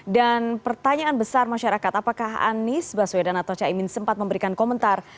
dan pertanyaan besar masyarakat apakah anies baswedan atau caimin sempat memberikan komentar